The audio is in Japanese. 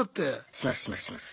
しますしますします。